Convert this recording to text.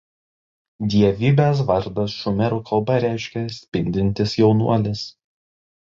Dievybės vardas šumerų kalba reiškia „spindintis jaunuolis“.